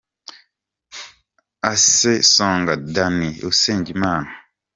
Isae Songa na Danny Usengimana.